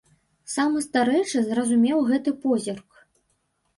Самы старэйшы зразумеў гэты позірк.